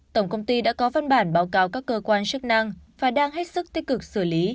tổng công ty đã có văn bản báo cáo các cơ quan chức năng và đang hết sức tích cực xử lý